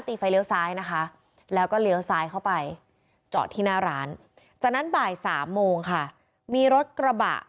ไฟเลี้ยวซ้ายนะคะแล้วก็เลี้ยวซ้ายเข้าไปจอดที่หน้าร้านจากนั้นบ่ายสามโมงค่ะมีรถกระบะ